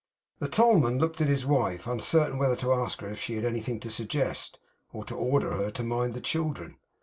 The tollman looked at his wife, uncertain whether to ask her if she had anything to suggest, or to order her to mind the children.